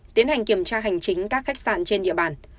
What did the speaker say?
tiến hành kiểm tra hành chính các khách sạn trên địa bàn